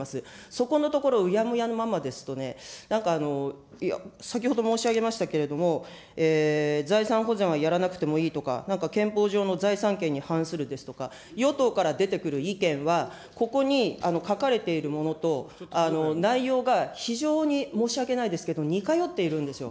そこのところをうやむやのままですとね、なんか、先ほど申し上げましたけれども、財産保全はやらなくてもいいとか、なんか憲法上の財産権に反するですとか、与党から出てくる意見は、ここに書かれているものと内容が非常に申し訳ないですけど、似通っているんですよ。